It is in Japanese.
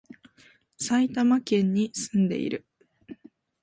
埼玉県に、住んでいる